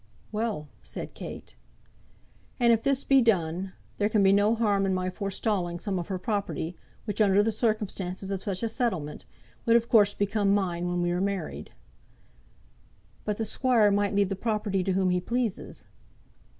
"Well," said Kate. "And if this be done, there can be no harm in my forestalling some of her property, which, under the circumstances of such a settlement, would of course become mine when we are married." "But the squire might leave the property to whom he pleases."